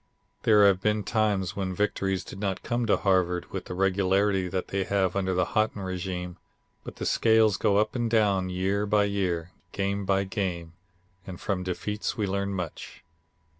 There have been times when victories did not come to Harvard with the regularity that they have under the Haughton régime, but the scales go up and down year by year, game by game, and from defeats we learn much.